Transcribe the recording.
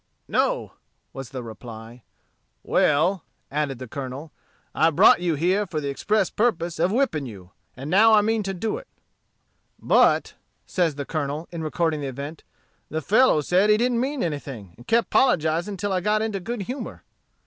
"No," was the reply. "Well," added the Colonel, "I brought you here for the express purpose of whipping you; and now I mean to do it." "But," says the Colonel, in recording the event, "the fellow said he didn't mean anything, and kept 'pologizing till I got into good humor."